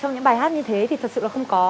trong những bài hát như thế thì thật sự là không có